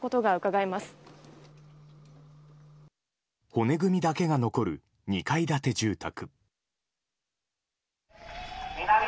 骨組みだけが残る２階建て住宅。